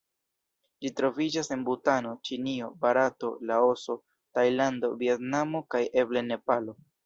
Ĝi troviĝas en Butano, Ĉinio, Barato, Laoso, Tajlando, Vjetnamo kaj eble Nepalo.